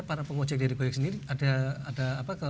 para pengojek dari gojek sendiri ada